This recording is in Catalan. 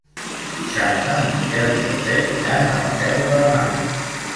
Dissabte en Miquel i en Pep iran a la Selva de Mar.